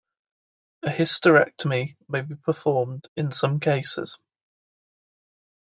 A hysterectomy may be performed in some cases.